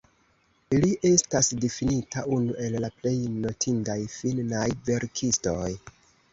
Li estas difinita unu el la plej notindaj finnaj verkistoj.